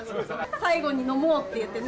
最後に飲もうっていってね。